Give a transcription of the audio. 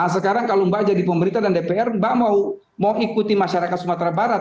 sekarang kalau mbak jadi pemerintah dan dpr mbak mau ikuti masyarakat sumatera barat